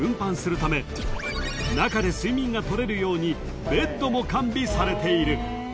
［中で睡眠が取れるようにベッドも完備されている］